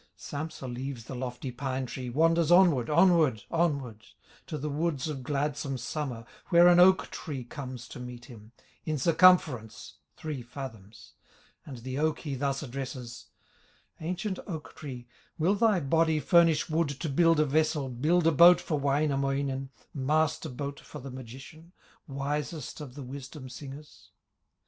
Sampsa leaves the lofty pine tree, Wanders onward, onward, onward, To the woods of gladsome summer, Where an oak tree comes to meet him, In circumference, three fathoms, And the oak he thus addresses: "Ancient oak tree, will thy body Furnish wood to build a vessel, Build a boat for Wainamoinen, Master boat for the magician, Wisest of the wisdom singers?"